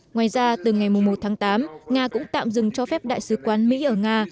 ngoài ra từ ngày một tháng tám nga cũng tạm dừng cho phép đại sứ quán mỹ ở nga